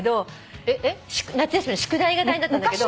夏休みの宿題が大変だったんだけど。